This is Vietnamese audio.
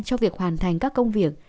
trong việc hoàn thành các công việc